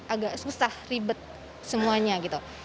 agak susah ribet semuanya gitu